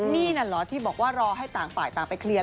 นี่นั่นเหรอที่บอกว่ารอให้ต่างฝ่ายต่างไปเคลียร์